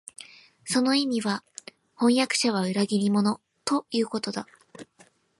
その意味は、飜訳者は裏切り者、ということだ